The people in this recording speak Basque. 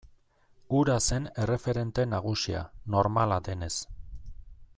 Hura zen erreferente nagusia, normala denez.